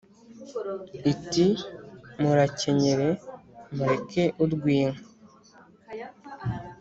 Iti : Murakenyere mureke urw'inka